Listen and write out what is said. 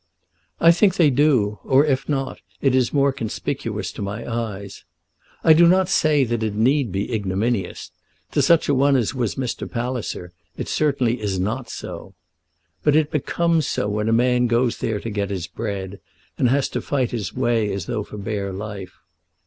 "I think they do, or if not it is more conspicuous to my eyes. I do not say that it need be ignominious. To such a one as was Mr. Palliser it certainly is not so. But it becomes so when a man goes there to get his bread, and has to fight his way as though for bare life.